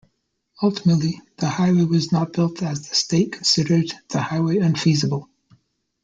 Ultimately, the highway was not built as the state considered the highway unfeasible.